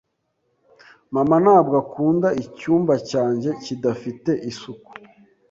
Mama ntabwo akunda icyumba cyanjye kidafite isuku.